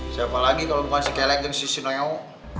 siapa lagi kalau bukan si kelek dan si sineng yeng